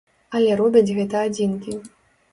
Але робяць гэта адзінкі.